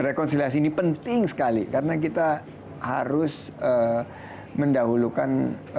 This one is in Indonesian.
rekonsiliasi ini penting sekali karena kita harus mendahulukan